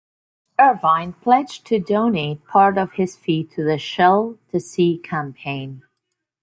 Irvine pledged to donate part of his fee to the Shell to Sea campaign.